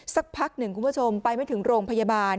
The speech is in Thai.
สักพักหนึ่งคุณผู้ชมไปไม่ถึงโรงพยาบาล